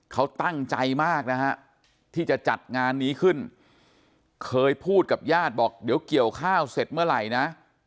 เขาตั้งใจมากนะฮะที่จะจัดงานนี้ขึ้นเคยพูดกับญาติบอกเดี๋ยวเกี่ยวข้าวเสร็จเมื่อไหร่นะ